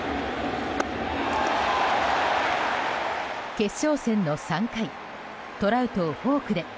決勝戦の３回トラウトをフォークで。